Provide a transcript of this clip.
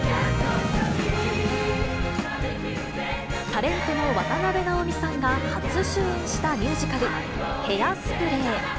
タレントの渡辺直美さんが初主演したミュージカル、ヘアスプレー。